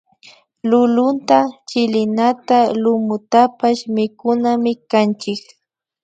Lulunta chilinata lumutapash mikunamikanchik